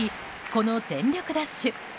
この全力ダッシュ。